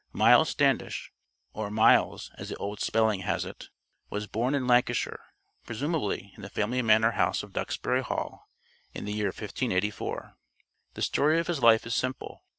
Miles Standish (or Myles, as the old spelling has it) was born in Lancashire, presumably in the family manor house of Duxbury Hall, in the year 1584. The story of his life is simple.